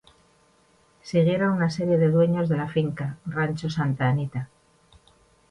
Siguieron una serie de dueños de la finca, "Rancho Santa Anita".